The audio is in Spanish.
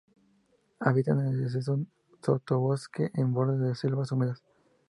Habitan en el denso sotobosque en bordes de selvas húmedas.